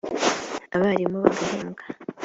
abarimu bagahembwa